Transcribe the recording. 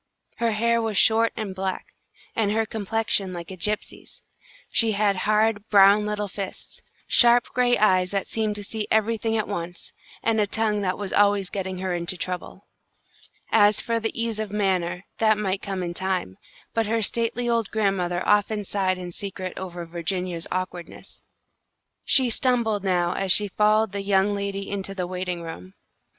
Her hair was short and black, and her complexion like a gypsy's. She had hard, brown little fists, sharp gray eyes that seemed to see everything at once, and a tongue that was always getting her into trouble. As for the ease of manner, that might come in time, but her stately old grandmother often sighed in secret over Virginia's awkwardness. She stumbled now as she followed the young lady into the waiting room.